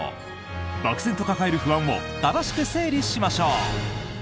漠然と抱える不安を正しく整理しましょう！